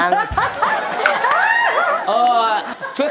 นุ้ย